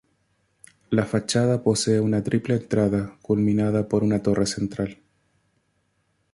La fachada posee una triple entrada culminada por una torre central.